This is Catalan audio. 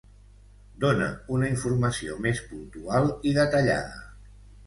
dóna una informació més puntual i detallada